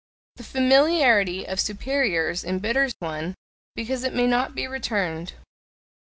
The familiarity of superiors embitters one, because it may not be returned.